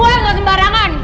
he saya tidak sembarangan